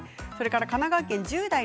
神奈川県の方